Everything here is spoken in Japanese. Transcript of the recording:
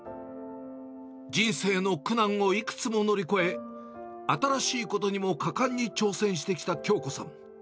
人生の苦難をいくつも乗り越え、新しいことにも果敢に挑戦してきた京子さん。